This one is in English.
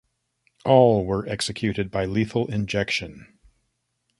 All were executed by lethal injection.